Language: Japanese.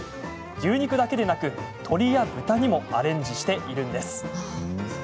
牛肉だけでなく、鶏や豚にもアレンジしているんです。